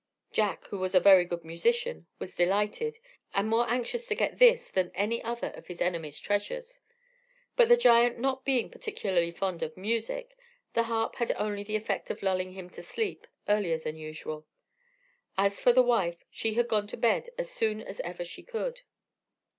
Jack, who was a very good musician, was delighted, and more anxious to get this than any other of his enemy's treasures. But the giant not being particularly fond of music, the harp had only the effect of lulling him to sleep earlier than usual. As for the wife, she had gone to bed as soon as ever she could.